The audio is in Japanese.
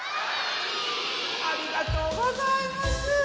ありがとうございます！